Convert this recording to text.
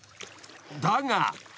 ［だが］